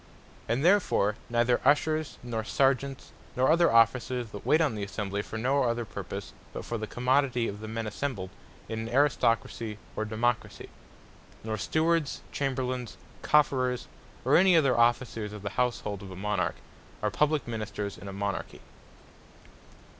And therefore neither Ushers, nor Sergeants, nor other Officers that waite on the Assembly, for no other purpose, but for the commodity of the men assembled, in an Aristocracy, or Democracy; nor Stewards, Chamberlains, Cofferers, or any other Officers of the houshold of a Monarch, are Publique Ministers in a Monarchy.